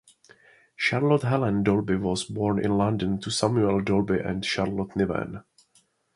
Charlotte Helen Dolby was born in London to Samuel Dolby and Charlotte Niven.